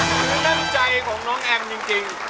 น้ำใจของน้องแอมจริง